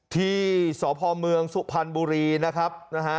ที่สพเมืองสุพันธ์บุรีนะครับ